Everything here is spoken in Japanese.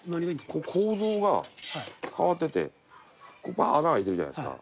これ構造が変わっててここ穴開いてるじゃないですか。